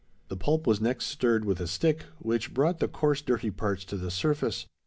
The pulp was next stirred with a stick which brought the coarse dirty parts to the surface.